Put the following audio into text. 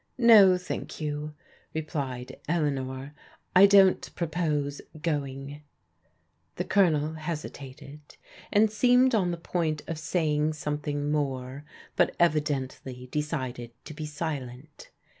"No, thank you," replied Eleanor, "I don't propose /going." The Colonel hesitated, and seemed on the pbmt oi s^j 48 PEODIQAL DAUGHTERS ing something more, but evidently decided to be silent.